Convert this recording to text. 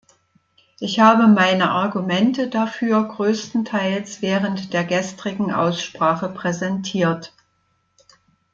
Ich habe meine Argumente dafür größtenteils während der gestrigen Aussprache präsentiert.